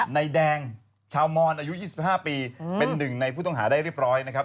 ในแดงชาวมอนอายุ๒๕ปีเป็นหนึ่งในผู้ต้องหาได้เรียบร้อยนะครับ